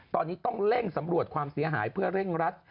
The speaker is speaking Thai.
ตอนนี้ต้องเร่งสำรวจความเสียหายเพื่อเร่งรัด